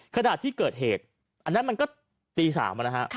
ขณะที่เกิดเหตุอันนั้นมันก็ตี๓นะฮะ